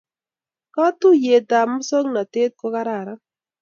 Katuiyet ab musongnotet ko kararan